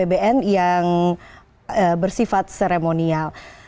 dan juga mengurangi pemerintahan yang seremonial